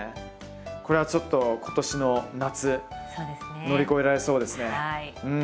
これはちょっと今年の夏乗り越えられそうですねうん。